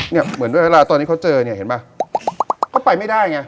เหมือนด้วยเวลาตอนนี้เขาเจอเนี่ยเห็นป่ะก็ไปไม่ได้ไง